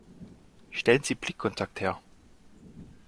Stellen Sie Blickkontakt her.